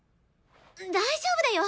大丈夫だよ。